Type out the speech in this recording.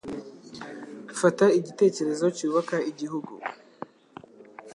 fata igitekerezo cy'ubaka igihugu